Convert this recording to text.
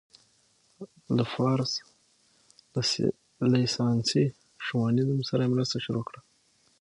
له فارس له لېساني شاونيزم سره مرسته شروع کړه.